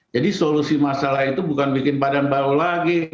jadi solusi masalah itu bukan bikin badan baru lagi